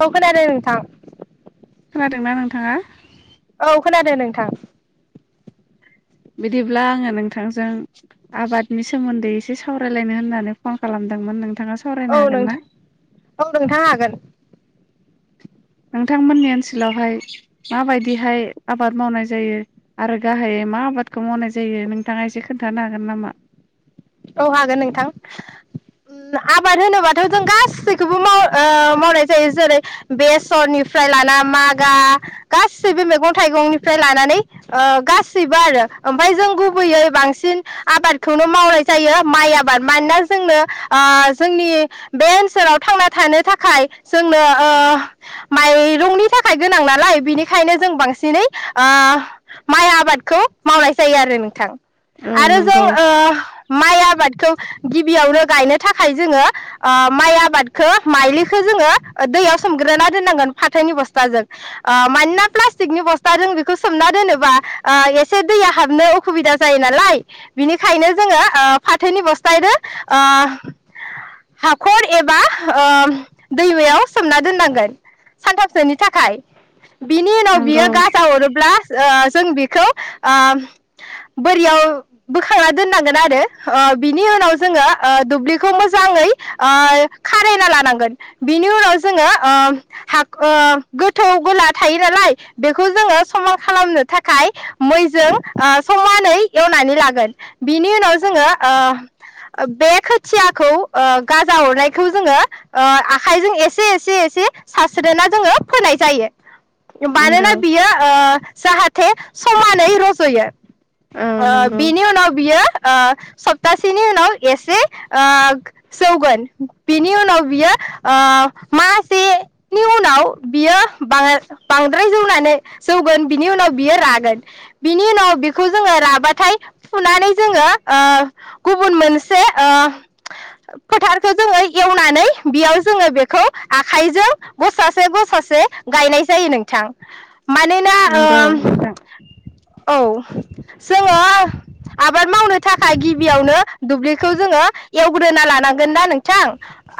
औ खोनायाखै नोंथां खोनादोंना नोंथाङा औ खोनादों नोंथां बिदिब्ला आङो नोंथांजों आबादनि सोमोन्दै एसे सावरायलायनो होननानै फन खालामदोंमोन नोंथां औ नोंथां औ नोंथां हागोन नोंथांमोननि ओनसोलावहाय माबायदिहाय आबाद मावनाय जायो आरो गाहायै मा आबादखौ मावनाय जायो नोंथाङा एसे खोन्थानो हागोन नामा औ हागोन नोंथां उम आबाद होनोबाथ' जों गासैखौबो माव ओ मावनाय जायो जेरै बेसरनिफ्राय लाना मागा गासैबो मैगं थाइगंनिफ्राय लानानै ओ गासैबो आरो ओमफ्राय जों गुबैयै बांसिन आबादखौनो मावनाय जायो माइ आबाद मानोना जोंनो ओ जोंनि बे ओनसोलाव थांना थानो थाखाय जोंनो ओ माइरंनि थाखाय गोनां नालाय बिनिखायनो जों बांसिनै ओ माइ आबादखौ मावनाय जायो आरो नोंथां आरो औ नंगौ जों ओ माइ आबादखौ गिबियावनो गायनो थाखाय जोङो ओ माइ आबादखौ माइलिखौ जोङो दैयाव सोमग्रोना दोननांगोन फाथोनि बस्थाजों ओ मानोना प्लास्टिकनि बस्थाजों बेखौ सोमना दोनोबा ओ एसे दैया हाबनो अखुबिदा जायो नालाय बिनिखायनो जोङो ओ फाथोनि बस्थादो ओ हाखर एबा ओ दैमायाव सोमना दोननांगोन सानथामसोनि थाखाय बिनि उनाव नंगौ बियो गाजा अरोब्ला ओ जों बेखौ ओ बोरियाव बोखांना दोननांगोन आरो ओ बिनि उनाव जोङो ओ दुब्लिखौ मोजाङै ओ खारायना लानांगोन बिनि उनाव जोङो ओ हा ओ गोथौ गोला थायो नालाय बेखौ जोङो समान खालामनो थाखाय मैजों ओ समानै एवनानै लागोन बिनि उनाव जोङो ओ बे खोथियाखौ ओ गाजा अरनायखौ जोङो ओ आखाइजों एसे एसे एसे सारस्रिना जोङो फोनाय जायो नंगौ मानोना बियो ओ जाहा थे समानै रज'यो औ ओ नंगौ बिनि उनाव बियो ओ सप्तासेनि उनाव एसे ओ जौगोन बिनि उनाव बियो ओ मासेनि उनाव बियो बांद्राय जौनानै जौगोन बिनि उनाव बियो रागोन बिनि उनाव बिखौ जोङो राबाथाय फुनानै जोङो ओ गुबुन मोनसे ओ फोथारखौ जोङो एवनानै बेयाव जोङो बेखौ आखाइजों गसासे गसासे गायनाय जायो नोंथां मानोना ओ नंगौ नोंथां औ जोङो आबाद मावनो थाखाय गिबियावनो दुब्लिखौ जोङो एवग्रोना लानांगोन ना नोंथां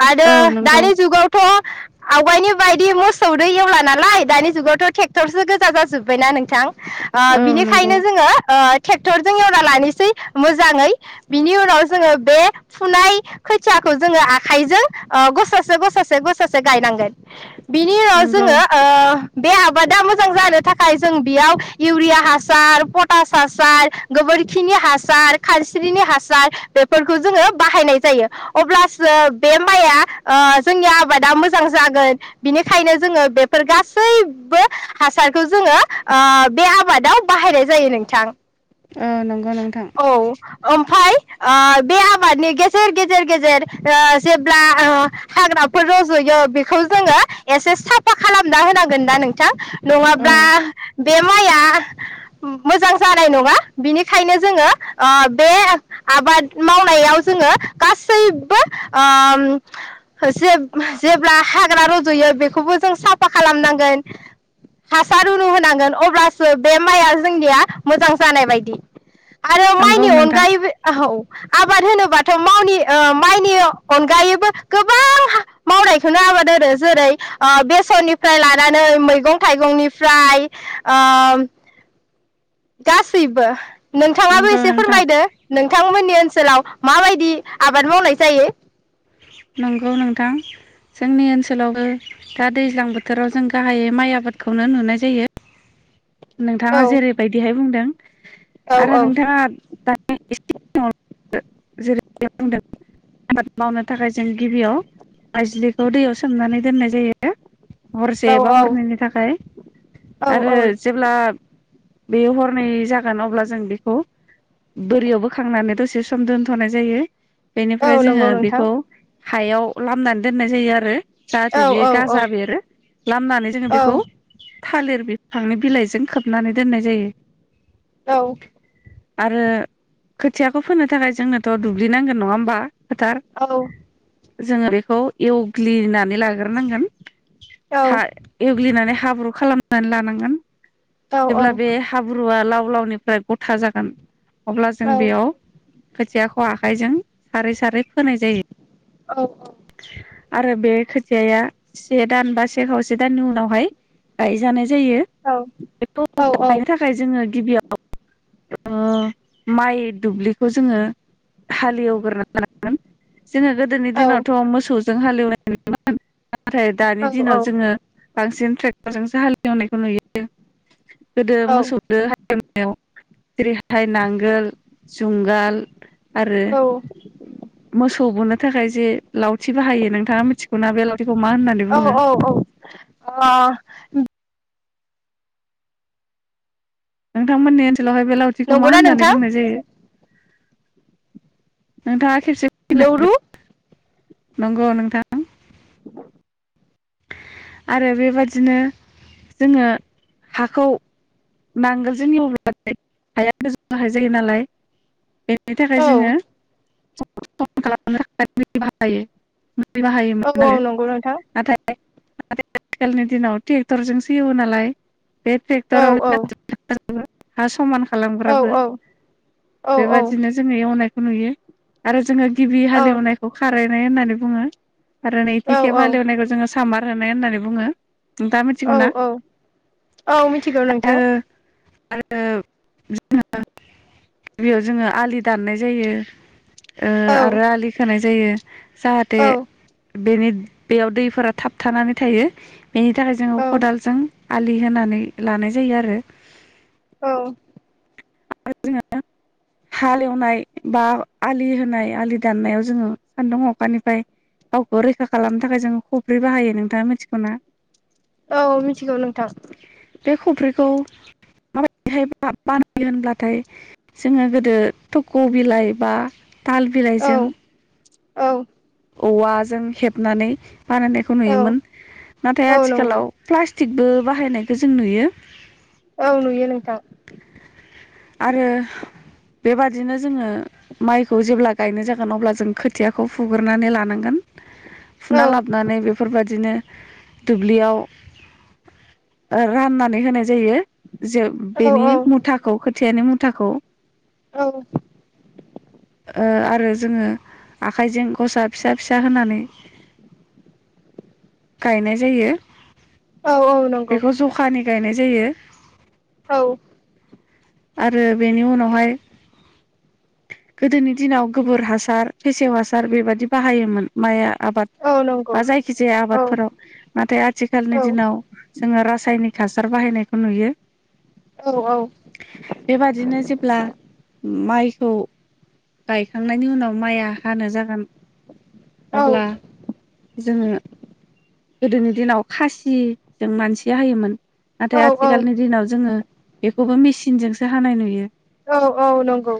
आरो औ नंगौ दानि जुगावथ' आवगायनि बायदि मोसौदो एवला नालाय दानि जुगावथ' ट्रेक्टरसो गोजा जाजोबबायना नोंथां ओ औ नंगौ बिनिखायनो जोङो ओ ट्रेक्टरजों एवना लानिसै मोजाङै बिनि उनाव जोङो बे फुनाय खोथियाखौ जोङो आखाइजों ओ गसासे गसासे गसासे गायनांगोन बिनि उनाव नंगौ जोङो ओ बे आबादा मोजां जानो थाखाय जों बेयाव इउरिया हासार पटास हासार गोबोरखिनि हा सार खानस्रिनि हासार बेफोरखौ जोङो बाहायनाय जायो अब्लासो बे माइया ओ जोंनि आबादा मोजां जागोन बिनिखायनो जोङो बेफोर गासैबो हासारखौ जोङो ओ बे आबादाव बाहायनाय जायो नोंथां औ नंगौ नोंथां औ ओमफाय ओ बे आबादनि गेजेर गेजेर गेजेर ओ जेब्ला ओ हाग्राफोर रज'यो बेखौ जोङो एसे साफा खालामना होनांगोन ना नोंथां औ नङाब्ला बे माइया मोजां जानाय नङा बिनिखायनो जोङो ओ बे आबाद मावनायाव जोङो गासैबो ओ जे-जेब्ला हाग्रा रज'यो बेखौबो जों साफा खालामनांगोन हासार उनु होनांगोन अब्लासो बे माइआ जोंनिया मोजां जानाय बाय दि आरो नंगौ माइनि नोंथां अनगायैबो ओ आबाद होनोबाथ' मावनि ओ माइनि अनगायैबो गोबां मावनायखौनो आबाद होनो जेरै बेसरनिफ्राय लानानै मैगं थाइगंनिफ्राय ओ गासैबो नोंथाङाबो नंगौ एसे नोंथां फोरमायदो नोंथांमोननि ओनसोलाव माबायदि आबाद मावनाय जायो नंगौ नोंथां जोंनि ओनसोलावबो दा दैज्लां बोथोराव जों गाहायै माइ आबादखौनो नुनाय जायो औ नोंथाङा जेरैबायदिहाय बुंदों औ आरो औ नोंथाङा [unintelligible] आबाद मावनो थाखाय जों गिबियाव आाइज्लिखौ दैयाव सोमनानै दोननाय जायो हरसे औ एबा हरनैनि थाखाय औ आरो औ जेब्ला बे हरनै जागोन अब्ला जों बेखौ बोरियाव बोखांनानै दसे एसे सम दोनथ'नाय जायो औ बेनिफ्राय जोङो नंगौ नोंथां बेखौ हायाव लामनानै दोननाय जायो आरो जाहाथे औ बेयो औ औ गाजा बेरो लामनानै जोङो औ बेखौ थालिर बिफांनि बिलाइजों खोबनानै दोननाय जायो औ आरो खोथियाखौ फोनो थाखाय जोंनोथ' दुब्लिनांगोन नङा होमबा फोथार औ जोङो बेखौ एवग्लिनानै लाग्रोनांगोन हाल एव ग्लिनानै हाब्रु खालामनानै लानांगोन औ जेब्ला बे हाब्रुआ लाव लावनिफ्राय गथा जागोन अब्ला जों बेयाव खोथियाखौ आखाइजों सारै सारै फोनाय जायो औ औ आरो बे खोथियाया से दान बा से खावसे दाननि उनावहाय गायजानाय जायो बेखौ औ गायनो थाखाय जोङो गिबियाव ओ माइ दुब्लिखौ जोङो हालेवग्रोना लानांगोन जोङो गोदोनि औ दिनाव मोसौजों हालेवनायमोन नाथाय औ दानि दिनाव जोङो बांसिन ट्रेक्टरजोंसो हालेवनायखौ नुयो गोदो मोसौ जों हालेव नायाव जेरैहाय नांगोल जुंगाल आरो मोसौ बोनो थाखाय जे लावथि बाहायो नोंथाङा मिथिगौना बे लावथिखौ मा होननानै औ बुङो औ अ नोंथांमोननि ओ नसोलावहाय बे लावथिखौ मा नंगौना होननानै नोंथां बुंनाय जायो नोंथां लौरु नंगौ नोंथां [inaudible] आरो बेबादिनो जोङो हाखौ नांगोलजों एवब्लाथाय हाया गोजौनो हाय जायो नालाय बेनि थाखाय औ जोङो खालामायो [unintelligible] औ बाहायोमोन औ आरो नंगौ नोंथां नाथाय नाथाय आथिखालनि दिनाव ट्रेक्टरजोंसो एवो नालाय औ औ [unintelligible] हा समान औ खालामग्राबो औ बेबायदिनो जोङो एवनाय नुयो आरो जोङो गिबि हालेवनायखौ ख रायनाय होननानै बुङो आरो औ नैथिखेब हालौनायखौ जोङो सामार होनाय होननानै बुङो नोंथाङा औ मिथिगौना औ औ मिथिगौ नोंथां आरो जोङो गिबियाव जोङो आलि दाननाय जायो ओ औ आरो आलि खोनाय जा जायो औ जाहाथे बेनि बेयाव दैफोरा थाबथानानै थायो बेनि थाखाय जोङो औ खदालजों आलि होनानै लानाय जायो आरो औ आरो जोङो हालेवनाय बा आलि होनाय आलि दाननायाव जोङो सान्दुं अखानिफ्राय गावखौ रैखा खालामनो थाखाय जोङो खफ्रि बाहायो नोंथाङा मिथिगौना औ मिथिगौ नोंथां बे खफ्रिखौ माबायदिहाय [unintelligible] होनब्लाथाय जोङो गोदो थक' बिलाइ बा ताल औ बिलाइजों औ औवाजों हेबनानै बानायनायखौ औ नुयोमोन नाथाय औ नंगौ आथिखालाव प्लास्टिकबो बाहायनायखौ जों नुयो औ नुयो नोंथां आरो बेबादिनो जोङो माइखौ जेब्ला गायनो जागोन अब्ला जों खोथियाखौ फुग्रोनानै लानांगोन औ फुना लाबोनानै बेफोरबादि बिदिनो दुब्लियाव ओ राननानै होनाय जायो जे औ बेनि औ मुथाखौ खो खोथियानि मुथाखौ औ ओ आरो जोङो आखाइजों गसा फिसा फिसा होनानै गायनाय जायो औ औ नंगौ बेखौ जखानि गायनाय जायो औ आरो बेनि उनावहाय गोदोनि दिनाव गोबोर हासार फेसेव हासार बेबायदि बाहायोमोन माइया आबाद औ नंगौ बा जायखिजाया औ आबादफोराव नाथाय औ आथिखालनि दिनाव जोङो रासायनिक हासार बाहायनायखौ नुयो औ औ बेबादिनो जेब्ला माइखौ गायखांनायनि उनाव माइया हानो जागोन अब्ला जोङो गोदोनि दिनाव खासिजों मानसिया होयोमोन नाथाय औ औ आथिखालनि दिनाव जोङो बेखौबो मिसि सिनजोंसो हानाय नुयो औ औ नंगौ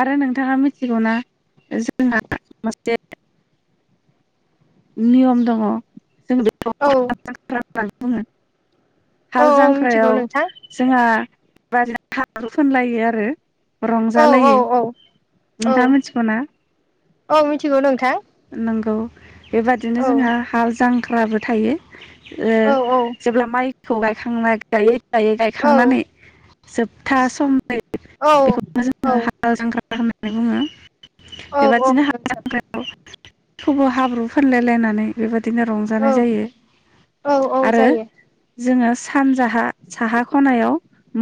आरो नोंथाङा मिथिगौना जोंना मोनसे नियम दङ जों बे औ [unintelligible] औ हाल औ मिथिगौ जांख्रायाव नोंथां जोंहा बेबादिनो हाब्रु फोनलायो आरो औ औ रंजालायो औ औ नोंथाङा मिथिगौना औ मिथिगौ नोंथां [inaudible] नंगौ औ औ बेबादिनो जोंहा हाल जां ख्राबो थायो। औ औ ओ जेब्ला माइखौ गाय थांना गायै गायै गायखांनानै जोबथा सम औ बेखौनो [unintelligible] जोङो हाल जांख्रा होननानै बुङो। औ औ बेबादिनो हाल नोंथां जांख्रा खौबो हा ब्रु फानलायलायनानै बेबायदि बिदिनो रंजानाय औ जायो औ औ आरो जायो जोङो सानजाहा साहा खनायाव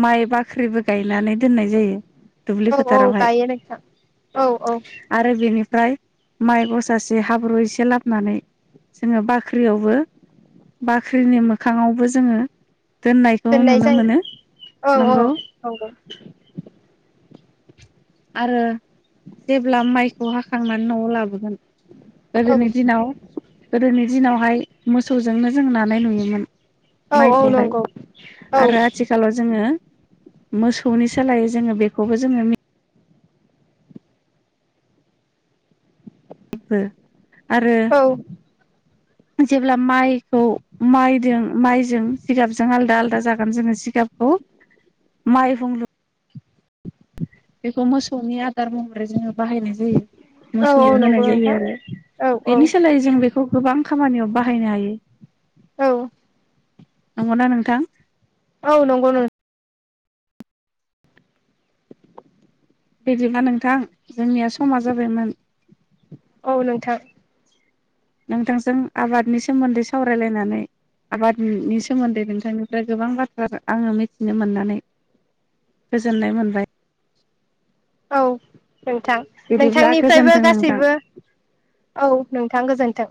माइ बाख्रिबो गायनानै दोननाय जायो। दुब्लि औ औ फोथारावहाय गायो औ औ फ्राय माइ गसासे हाब्रु एसे लाबनानै जोङो बाख्रियावबो बाख्रिनि मोखाङावबो जोङो दोननायखौ दोननाय नुनो जायो मोनो औ नंगौ। औ नंगौ आरो जेब्ला माइखौ हाखांनानै नआव लाबोगोन। औ गोदोनि दिनाव गोदोनि दिनावहाय मोसौजोंनो जों नानाय नुयोमोन। औ औ माइखौहाय नंगौ औ आरो आथिखालाव जोङो मोसौनि सोलाय जोङो बेखौबो जोङो। इबो औ जेब्ला माइखौ माइजों माइजों जिगाबजों आलदा आलादा जागोन जोङो जि गाबखौ माइहुं लु बेखौ मोसौनि आदार महरै जोङो बाहायनाय जायो। औ मोसौ औ नंगौ होनाय जायो नोंथां आरो औ औ बेनि सोलायै जों बेखौ गोबां खामानियाव बाहा खायनो हायो। औ नंगौ ना नोंथां? औ नंगौ नों बिदिबा नोंथां जोंनिया समा जाबायमोन। औ नोंथां नोंथांजों आबादनि सोमोन्दै सावरायलायनानै आबादनि सोमोन्दै नोंथांनिफ्राय गोबां बाथ्रा आङो मिथिनो मोननानै गोजोननाय मोनबाय। औ नोंथां बिदिब्ला नोंथांनिफ्रायबो गोजोन्थों नोंथां। गासैबो औ नों थां गोजोन्थों।